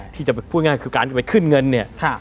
ที่จะพูดง่ายคือการจะไปขึ้นเงินเนี่ย